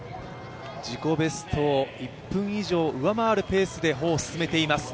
自己ベストを１分以上上回るペースで歩を進めています。